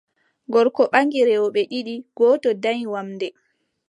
Gorko ɓaŋgi rewɓe ɗiɗi, gooto danyi wamnde,